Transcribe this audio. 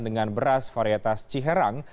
dengan beras varietas ciherang